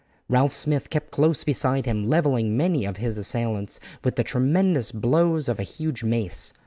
Ralph Smith kept close beside him, levelling many of his assailants with the tremendous blows of a huge mace.